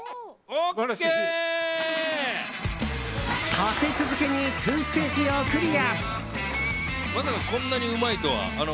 立て続けに２ステージをクリア。